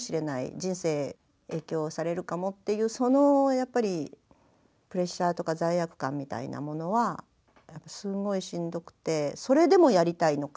人生影響されるかもっていうそのやっぱりプレッシャーとか罪悪感みたいなものはすごいしんどくてそれでもやりたいのか